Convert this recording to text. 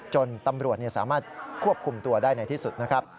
จนตำรวจสามารถควบคุมตัวได้ในที่สุดนะครับ